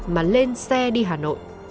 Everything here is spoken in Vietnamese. mà lên xe đi hà nội